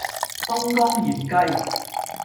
東江鹽雞